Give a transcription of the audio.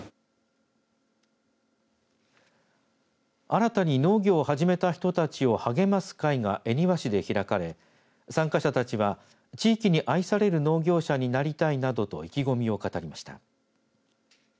新たに農業を始めた人たちを励ます会が恵庭市で開かれ参加者たちは地域に愛される農業者になりたいなどと意気込みを語りました。